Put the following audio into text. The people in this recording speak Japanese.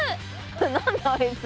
何だあいつ。